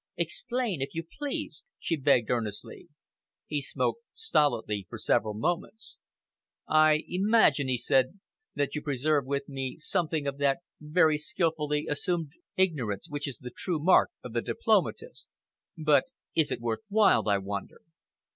"Explain, if you please," she begged earnestly. He smoked stolidly for several moments. "I imagine," he said, "that you preserve with me something of that very skilfully assumed ignorance which is the true mask of the diplomatist. But is it worth while, I wonder?"